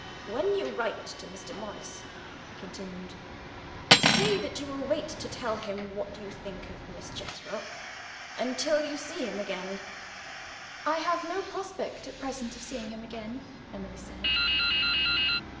"When you write to Mr. Morris," he continued, "say that you will wait to tell him what you think of Miss Jethro, until you see him again." "I have no prospect at present of seeing him again," Emily said.